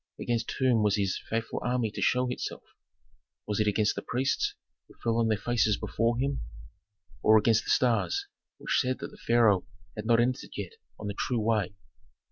Against whom was his faithful army to show itself? Was it against the priests who fell on their faces before him? Or against the stars which said that the pharaoh had not entered yet on the true way?